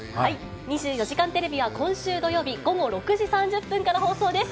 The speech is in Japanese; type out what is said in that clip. ２４時間テレビは今週土曜日午後６時３０分から放送です。